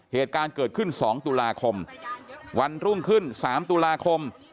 เหตุการณ์เกิดขึ้น๒ตุลาคมวันรุ่งขึ้น๓ตุลาคม